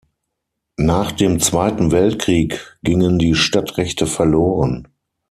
Nach dem Zweiten Weltkrieg gingen die Stadtrechte verloren.